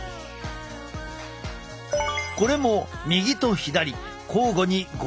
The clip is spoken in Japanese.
これも右と左交互に５回行う。